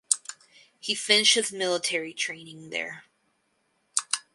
He finished his military training there.